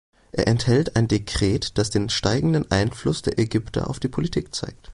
Er enthält ein Dekret, das den steigenden Einfluss der Ägypter auf die Politik zeigt.